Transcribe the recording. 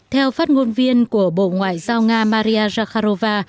theo phát ngôn viên của bộ ngoại giao nga maria zakharova